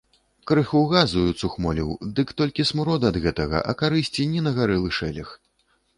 Крыху газаю цухмоліў, дык толькі смурод ад гэтага, а карысці ні на гарэлы шэлег.